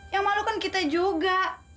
yang malu kan kita juga